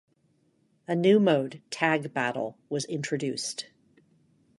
A new mode, Tag Battle, was introduced.